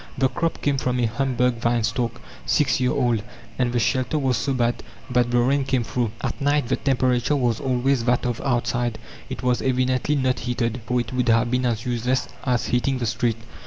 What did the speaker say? The crop came from a Hamburg vine stalk, six year old. And the shelter was so bad that the rain came through. At night the temperature was always that of outside. It was evidently not heated, for it would have been as useless as heating the street!